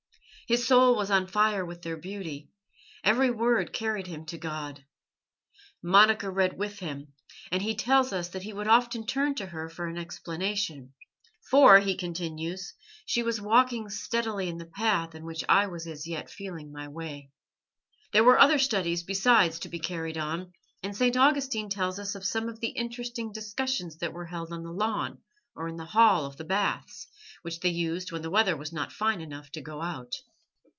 His soul was on fire with their beauty; every word carried him to God. Monica read with him, and he tells us that he would often turn to her for an explanation. "For," he continues, "she was walking steadily in the path in which I was as yet feeling my way." There were other studies besides to be carried on, and St. Augustine tells us of some of the interesting discussions that were held on the lawn, or in the hall of the baths, which they used when the weather was not fine enough to go out.